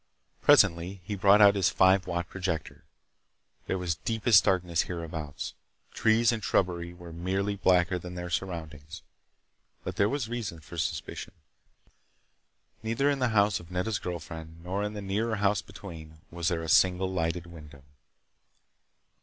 Presently he brought out his five watt projector. There was deepest darkness hereabouts. Trees and shrubbery were merely blacker than their surroundings. But there was reason for suspicion. Neither in the house of Nedda's girl friend, nor in the nearer house between, was there a single lighted window.